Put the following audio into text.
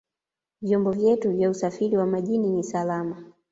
vyombo vyetu vya usafiri wa majini ni salama